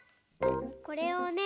これをね